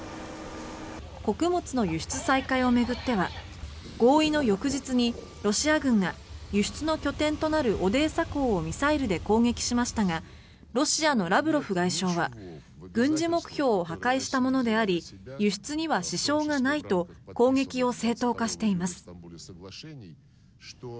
穀物の輸出再開を巡っては合意の翌日にロシア軍が輸出の拠点となるオデーサ港をミサイルで攻撃しましたがロシアのラブロフ外相は軍事目標を破壊したものであり輸出には支障がないと攻撃を正当化しています。